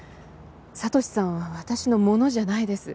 聡史さんは私のものじゃないです。